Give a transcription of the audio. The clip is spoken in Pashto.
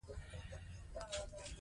د کوچیانو ژوند د کلتور یوه برخه ده.